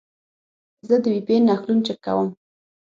زه د وي پي این نښلون چک کوم.